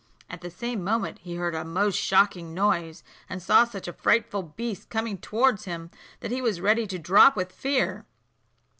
At the same moment he heard a most shocking noise, and saw such a frightful beast coming towards him, that he was ready to drop with fear.